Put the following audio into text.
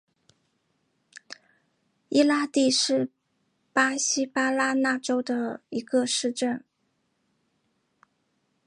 伊拉蒂是巴西巴拉那州的一个市镇。